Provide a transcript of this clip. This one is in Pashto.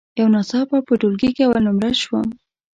یو ناڅاپه په ټولګي کې اول نمره شوم.